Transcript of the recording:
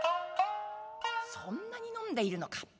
「そんなに飲んでいるのか。